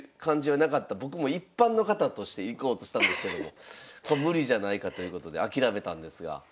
僕も一般の方として行こうとしたんですけどもこれ無理じゃないかということで諦めたんですが。